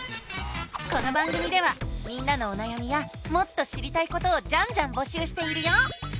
この番組ではみんなのおなやみやもっと知りたいことをジャンジャンぼしゅうしているよ！